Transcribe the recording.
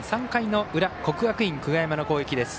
３回の裏、国学院久我山の攻撃。